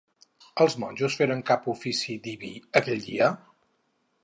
Els monjos feren cap ofici diví aquell dia?